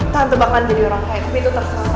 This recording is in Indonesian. tante bakalan jadi orang kaya tapi itu terserah tante